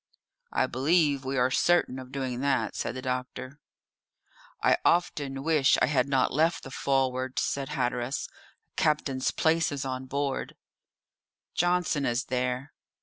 "I believe we are certain of doing that," said the doctor. "I often wish I had not left the Forward," said Hatteras; "a captain's place is on board." "Johnson is there."